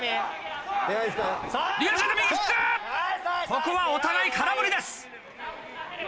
ここはお互い空振りです。